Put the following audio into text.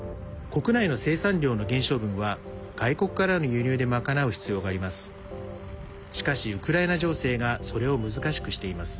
国内の生産量の減少分は外国からの輸入で賄う必要があります。